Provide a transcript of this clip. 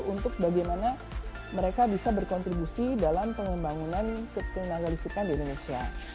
untuk bagaimana mereka bisa berkontribusi dalam pengembangan ketenaga listrikan di indonesia